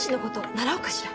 習おうかしら。